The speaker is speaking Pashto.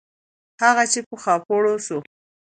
هغه چې په خاپوړو سو.